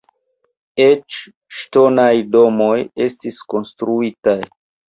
Eĉ ŝtonaj domoj estis konstruitaj.